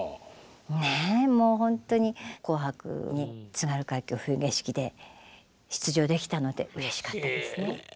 ねえもうほんとに「紅白」に「津軽海峡・冬景色」で出場できたのでうれしかったですね。